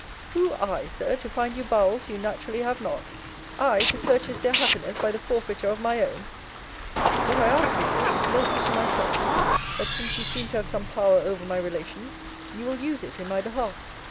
Who, I, Sir, to find you bowels you naturally have not? I to purchase their happiness by the forfeiture of my own? What I ask you for, is mercy to myself: that, since you seem to have some power over my relations, you will use it in my behalf.